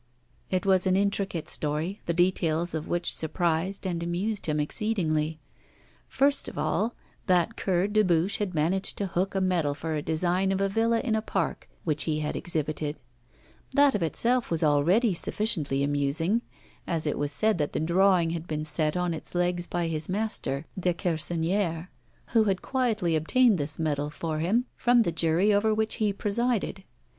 It was an intricate story, the details of which surprised and amused him exceedingly. First of all, that cur Dubuche had managed to hook a medal for a design of a villa in a park, which he had exhibited; that of itself was already sufficiently amusing, as it was said that the drawing had been set on its legs by his master, Dequersonnière, who had quietly obtained this medal for him from the jury over which he presided.